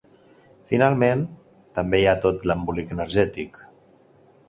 Finalment, també hi ha tot l’embolic energètic.